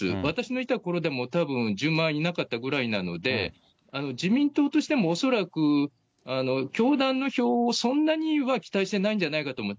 私のいたころでも１０万いなかったぐらいなので、自民党としても恐らく教団の票をそんなには期待してないんじゃないかと思う。